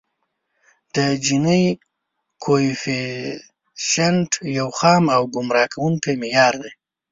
د جیني کویفیشینټ یو خام او ګمراه کوونکی معیار دی